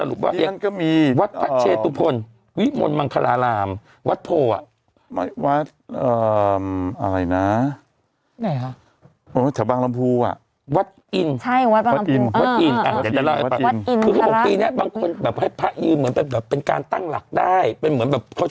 อู๋ใจตรงกันมาก